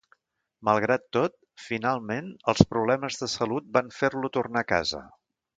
Malgrat tot, finalment els problemes de salut van fer-lo tornar a casa.